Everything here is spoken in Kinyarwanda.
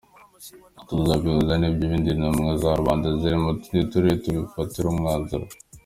Tuzabihuza n’iby’izindi ntumwa za rubanda ziri mu tundi turere, tubifatire umwanzuro.